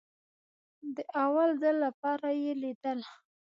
د اول ځل لپاره يې ليدله.